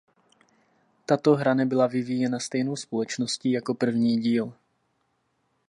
Tato hra nebyla vyvíjena stejnou společností jako první díl.